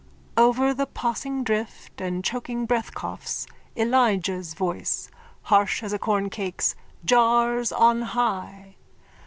_(Over the possing drift and choking breathcoughs, Elijah's voice, harsh as a corncrake's, jars on high.